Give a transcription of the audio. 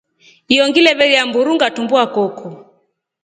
Hiyo ngile veelya mburu ngatumbwa koko.